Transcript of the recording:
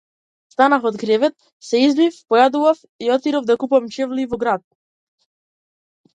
Станав од кревет, се измив, појадував и отидов да купувам чевли во град.